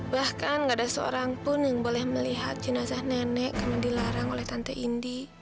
bahkan gak ada seorang pun yang boleh melihat jenazah nenek karena dilarang oleh tante indi